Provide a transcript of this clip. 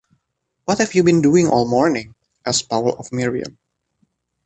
“What have you been doing all morning?” asked Paul of Miriam.